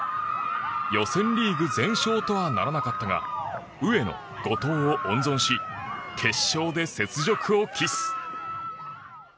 予選リーグ全勝とはならなかったが上野、後藤を温存し決勝で雪辱を期す。